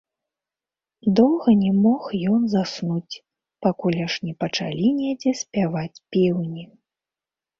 Доўга не мог ён заснуць, пакуль аж не пачалі недзе спяваць пеўні.